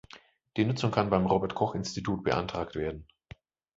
Die Nutzung kann beim Robert Koch-Institut beantragt werden.